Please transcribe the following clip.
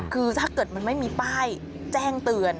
คือถ้าเกิดมันไม่มีป้ายแจ้งเตือน